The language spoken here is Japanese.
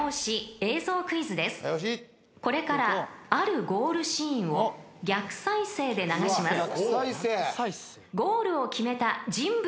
［これからあるゴールシーンを逆再生で流します］